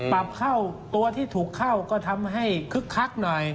ปรับเข้าตัวที่ถูกเข้าก็ทำให้คึกคักหน่อย